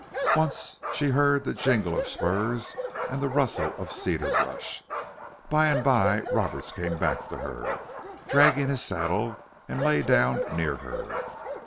Once she heard the jingle of spurs and the rustle of cedar brush. By and by Roberts came back to her, dragging his saddle, and lay down near her.